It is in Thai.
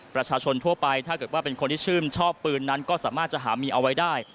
ประชาชนทั่วไปถ้าเกิดว่าเป็นคนที่ชื่นชอบปืนนั้นก็สามารถจะหามีเอาไว้ได้